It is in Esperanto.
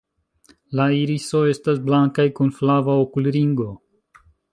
La irisoj estas blankaj kun flava okulringo.